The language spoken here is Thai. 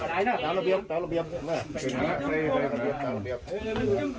วัง